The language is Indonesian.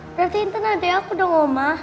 berarti intan adek aku dong ma